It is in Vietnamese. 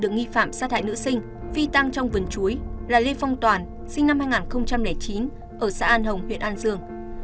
được nghĩa phạm sát hại nữ sinh phi tàng trong vườn chuối là lê phong toàn sinh năm hai nghìn chín ở xã an hồng huyện an dương